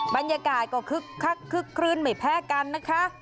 บรรยากาศก็คึกคลื่นเหมือนแพ้กันนะคะ